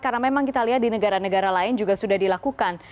karena memang kita lihat di negara negara lain juga sudah dilakukan